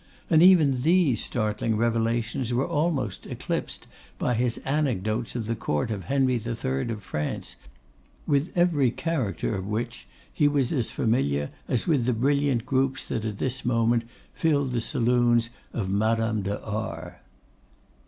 And even these startling revelations were almost eclipsed by his anecdotes of the Court of Henry III. of France, with every character of which he was as familiar as with the brilliant groups that at this moment filled the saloons of Madame de R d.